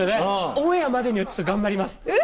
オンエアまでにはちょっと頑張ります。